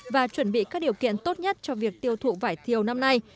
và chuẩn bị các điều kiện tốt nhất cho việc tiêu thụ vải thiều năm nay